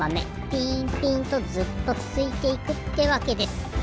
ピンピンとずっとつづいていくってわけです。